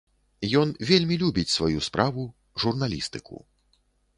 Ён вельмі любіць сваю справу, журналістыку.